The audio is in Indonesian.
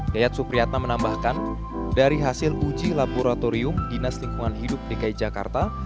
yayat supriyatna menambahkan dari hasil uji laboratorium dinas lingkungan hidup dki jakarta